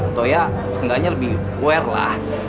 atau ya setidaknya lebih wear lah